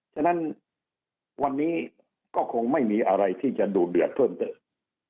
ฉะนั้นวันนี้ก็คงไม่มีอะไรที่จะดูดเดือดเพิ่มเติม